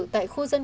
tại khu dân